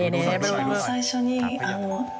ดีนะครับ